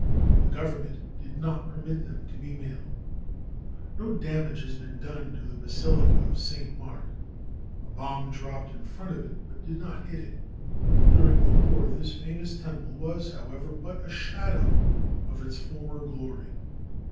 The Government did not permit them to be mailed. No damage has been done to the Basilica of St. Mark. A bomb dropped in front of it, but did not hit it. During the war this famous temple was, however, but a shadow of its former glory.